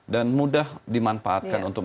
dan mudah dimanfaatkan